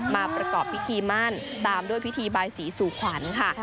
มาประกอบพิธีมั่นตามด้วยพิธีบายสีสู่ขวัญค่ะ